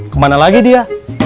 kemana lagi dia